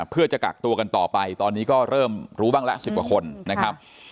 เพื่อจะกักตัวกันต่อไปตอนนี้ก็เริ่มรู้บ้างละ๑๐กว่าคนนะครับ